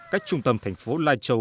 cách trung tâm thành phố lai châu